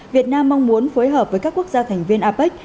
việt nam mong muốn phối hợp với các quốc gia thành viên apec